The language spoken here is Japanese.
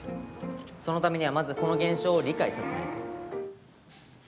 そのためには、まずこの現象を理解させないと。